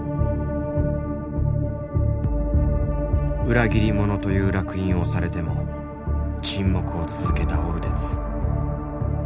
裏切り者という烙印を押されても沈黙を続けたオルデツ。